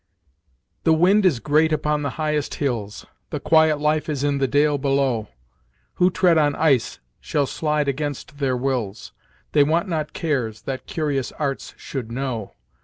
"The winde is great upon the highest hilles; The quiet life is in the dale below; Who tread on ice shall slide against their willes; They want not cares, that curious arts should know.